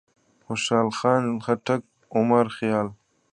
خوشحال خان خټک، عمر خيام،